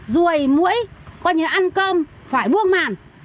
rùi mũi coi như ăn cơm phải buông mạn